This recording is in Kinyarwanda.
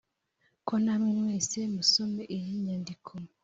ko namwe mwese musome iyi nyandiko